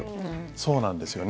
そうなんですよね。